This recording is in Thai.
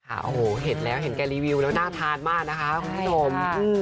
โอ้โหเห็นแล้วเห็นแกรีวิวแล้วน่าทานมากนะคะคุณผู้ชม